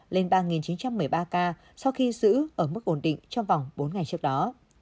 lên ba chín trăm một mươi ba ca sau khi giữ ở mức ổn định trong vòng bốn ngày trước đó